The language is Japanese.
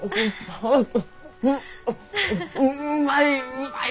うまい！